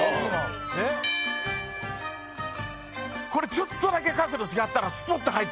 これちょっとだけ角度違ったらスポッと入ってたのよ。